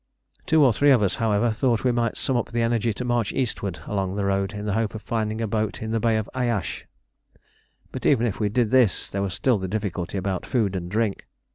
Two or three of us, however, thought we might sum up the energy to march eastwards along the road in the hope of finding a boat in the bay of Ayasch. But even if we did this there was still the difficulty about food and drink.